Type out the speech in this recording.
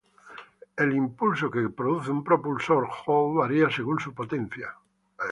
El impulso que produce un propulsor Hall varia según su potencia.